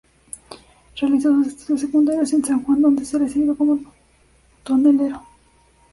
Realizó sus estudios secundarios en San Juan, donde se recibió como tonelero.